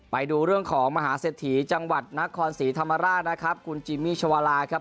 ไปดูเรื่องของมหาเศรษฐีจังหวัดนครศรีธรรมราชนะครับคุณจิมมี่ชวาลาครับ